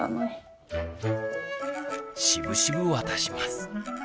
しぶしぶ渡します。